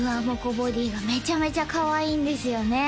ボディーがめちゃめちゃかわいいんですよね